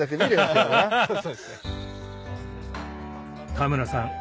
田村さん